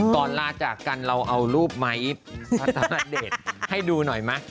ก่อนลาจากกันเราเอารูปไมค์พันธมเดชให้ดูหน่อยมั้ย